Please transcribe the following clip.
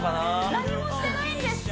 何もしてないんですか？